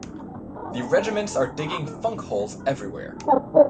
The regiments are digging funk holes everywhere.